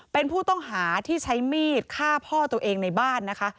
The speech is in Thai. เป็นผู้ต้องหาที่ใช้มีดฆ่าพ่อตัวเองในบ้านนะคะ